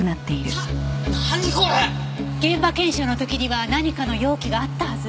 現場検証の時には何かの容器があったはず。